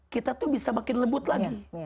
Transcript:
kita tuh bisa makin lembut lagi